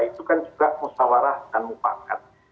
itu kan juga musawarah dan mufakat